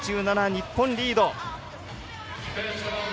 日本、リード。